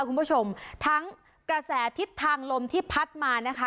คุณผู้ชมทั้งกระแสทิศทางลมที่พัดมานะคะ